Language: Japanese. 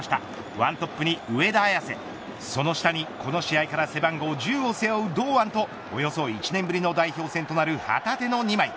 ワントップに上田綺世その下に、この試合から背番号１０を背負うと堂安とおよそ１年ぶりの代表戦となる旗手の２枚。